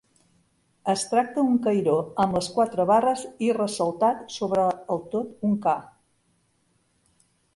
Es tracta un cairó amb les quatre barres i ressaltat sobre el tot un ca.